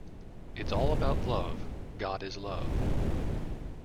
It's all about love - God is love.